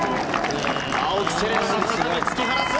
青木瀬令奈がここで突き放す！